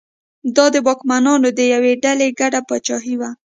دا د واکمنانو د یوې ډلې ګډه پاچاهي وه.